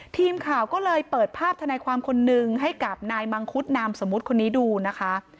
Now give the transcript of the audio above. ทีมข่าวก็เลยเปิดภาพธนายความคนหนึ่งให้กับนายมังคุดนามสมมุติคนนี้ดูนะคะ